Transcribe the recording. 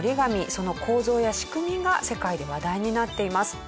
その構造や仕組みが世界で話題になっています。